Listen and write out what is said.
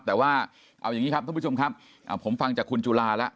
แต่ว่าเอาอย่างนี้ครับท่านผู้ชมครับผมฟังจากคุณจุฬาแล้ว